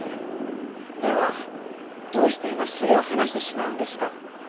ではどうして今それを話してしまうんですか？